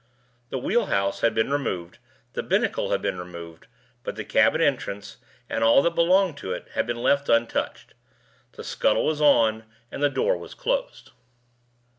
The wheel house had been removed, the binnacle had been removed, but the cabin entrance, and all that had belonged to it, had been left untouched. The scuttle was on, and the door was closed.